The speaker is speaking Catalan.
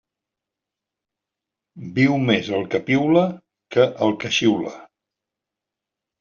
Viu més el que piula que el que xiula.